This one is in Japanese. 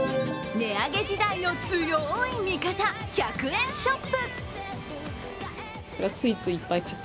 値上げ時代の強い味方１００円ショップ。